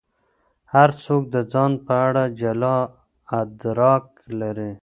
هر څوک د ځان په اړه جلا ادراک لري.